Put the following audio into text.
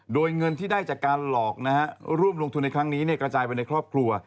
โดยเงินที่ได้จากการหลอกนะฮะร่วมลงทุนในครั้งนี้กระจายไปในครอบครัว